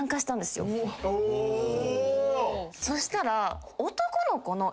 そしたら。